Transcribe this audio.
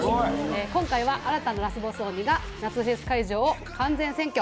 今回は新たなラスボス鬼が夏フェス会場を完全占拠